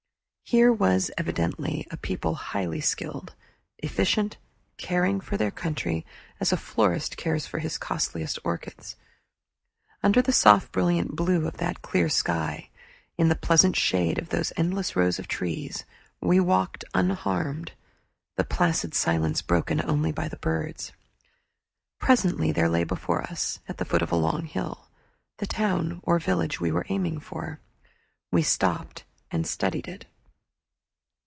Here was evidently a people highly skilled, efficient, caring for their country as a florist cares for his costliest orchids. Under the soft brilliant blue of that clear sky, in the pleasant shade of those endless rows of trees, we walked unharmed, the placid silence broken only by the birds. Presently there lay before us at the foot of a long hill the town or village we were aiming for. We stopped and studied it.